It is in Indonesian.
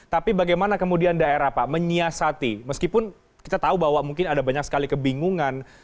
tapi bagaimana kemudian daerah pak menyiasati meskipun kita tahu bahwa mungkin ada banyak sekali kebingungan